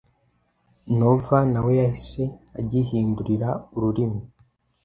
Nova nawe yahise agihindurira ururimi